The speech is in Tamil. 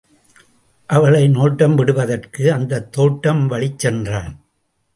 அவளை நோட்டம் விடுவதற்கு அந்தத்தோட்டம் வழிச் சென்றான்.